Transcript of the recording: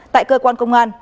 tại cơ quan công an